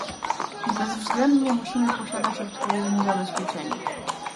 Bezwzględnie musimy posiadać odpowiednie zabezpieczenia